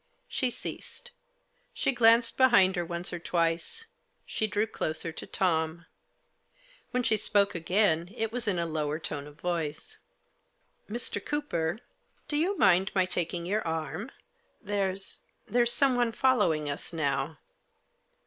She ceased. She glanced behind her once or twice. She drew closer to Tom. When she spoke again it was in a lower tone of voice. " Mr. Cooper, do you mind my taking your arm ? There's — there's someone following us now."